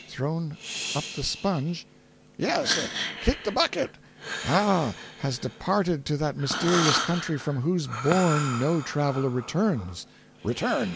"Thrown up the sponge?" "Yes—kicked the bucket—" "Ah—has departed to that mysterious country from whose bourne no traveler returns." "Return!